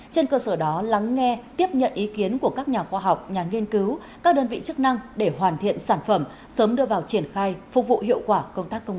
trên cơ sở đó lắng nghe tiếp nhận ý kiến của các nhà khoa học nhà nghiên cứu các đơn vị chức năng để hoàn thiện sản phẩm sớm đưa vào triển khai phục vụ hiệu quả công tác công tư